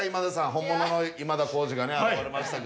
本物の今田耕司が現れましたけども。